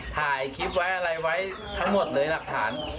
ถ่ายคลิปไว้อะไรไว้ทั้งหมดเลยหลักฐาน